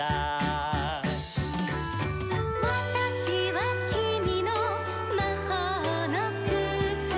「『わたしはきみのまほうのくつ』」